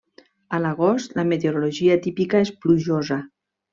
A l'agost, la meteorologia típica és plujosa.